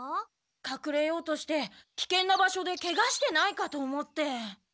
かくれようとしてきけんな場所でケガしてないかと思って。